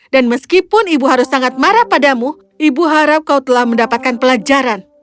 dan meskipun ibu harus sangat marah padamu ibu harap kau telah mendapatkan pelajaran